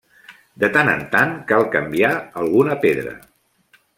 De tant en tant cal canviar alguna pedra.